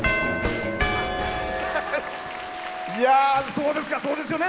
そうですかそうですよね。